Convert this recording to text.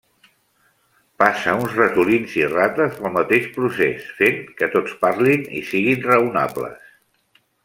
Passa uns ratolins i rates pel mateix procés, fent que tots parlin i siguin raonables.